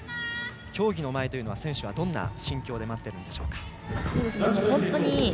競技の前は選手はどんな心境で待っているんでしょうか。